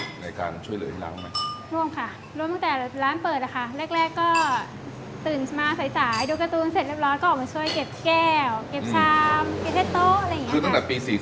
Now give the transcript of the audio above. ใช่ค่ะเริ่มมาตั้งแต่แรง